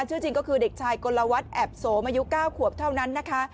ชื่อจริงก็คือเด็กชายกลวัฒน์แอบโสมอายุ๙ขวบเท่านั้นนะคะ